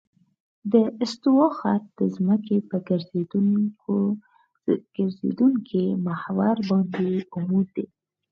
د استوا خط د ځمکې په ګرځېدونکي محور باندې عمود دی